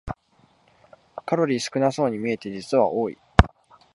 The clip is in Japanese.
カロリー少なそうに見えて実は多い